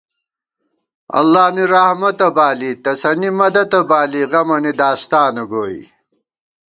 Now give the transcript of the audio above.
اللہ نی رحمَتہ بالی، تسَنی مدَتہ بالی، غَمَنی داستانہ گوئی